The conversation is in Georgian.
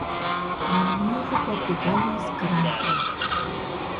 მან მიიღო პორტუგალიის გრან-პრი.